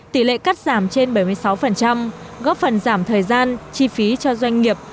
tỷ lệ cắt giảm trên bảy mươi sáu góp phần giảm thời gian chi phí cho doanh nghiệp